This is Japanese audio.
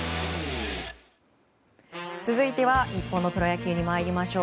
続いては日本のプロ野球に参りましょう。